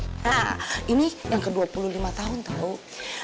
nah ini yang ke dua puluh lima tahun tahu